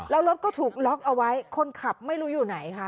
แล้วรถก็ถูกล็อกเอาไว้คนขับไม่รู้อยู่ไหนค่ะ